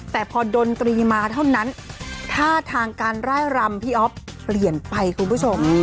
แต่พอดนตรีมาเท่านั้นท่าทางการไล่รำพี่อ๊อฟเปลี่ยนไปคุณผู้ชม